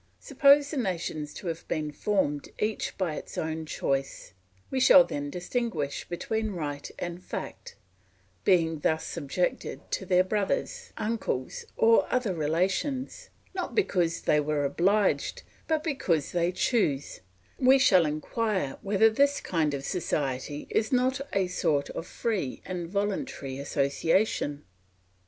Suppose the nations to have been formed each by its own choice; we shall then distinguish between right and fact; being thus subjected to their brothers, uncles, or other relations, not because they were obliged, but because they choose, we shall inquire whether this kind of society is not a sort of free and voluntary association?